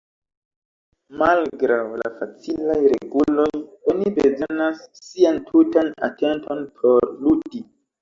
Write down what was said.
Malgraŭ la facilaj reguloj, oni bezonas sian tutan atenton por ludi.